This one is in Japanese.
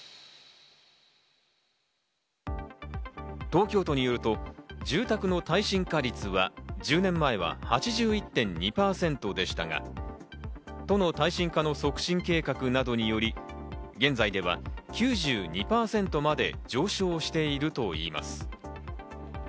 東京都によると、住宅の耐震化率は１０年前は８１．２％でしたが、都の耐震化の促進計画などにより現在では９２％まで上昇しているといいます。